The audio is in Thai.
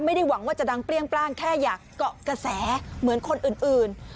ไม่ได้หวังว่าจะดังเปรี้ยงปร่างแค่อยากเกาะกระแสเหมือนคนอื่น